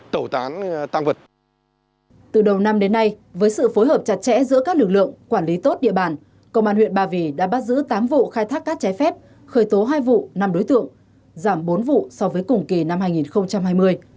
từ đầu năm đến nay với sự phối hợp chặt chẽ giữa các lực lượng quản lý tốt địa bàn công an huyện ba vì đã bắt giữ tám vụ khai thác cát trái phép khởi tố hai vụ năm đối tượng giảm bốn vụ so với cùng kỳ năm hai nghìn hai mươi